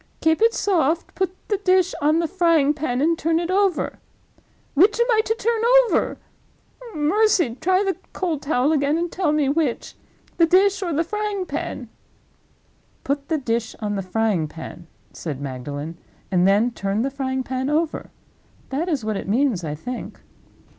'Keep it soft; put the dish on the frying pan, and turn it over.' Which am I to turn over—oh, mercy, try the cold towel again, and tell me which—the dish or the frying pan?" "Put the dish on the frying pan," said Magdalen; "and then turn the frying pan over. That is what it means, I think."